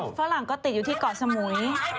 ฝรั่งก็ติดอยู่ที่เกาะสมุย